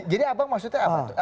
jadi abang maksudnya apa itu